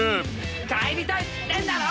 帰りたいっつってんだろ！